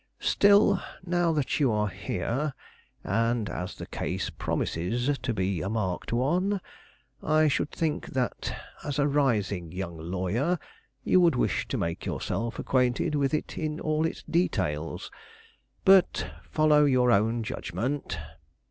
Still, now that you are here, and as the case promises to be a marked one, I should think that, as a rising young lawyer, you would wish to make yourself acquainted with it in all its details. But follow your own judgment."